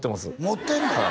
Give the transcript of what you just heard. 持ってんの？